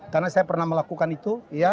karena saya pernah melakukan itu